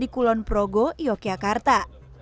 di kulon progo yogyakarta